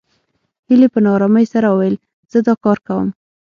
هيلې په نا آرامۍ سره وويل زه دا کار کوم